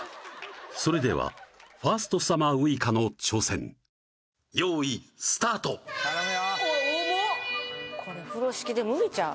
それではファーストサマーウイカの挑戦よーいスタート重っこれ風呂敷で無理ちゃう？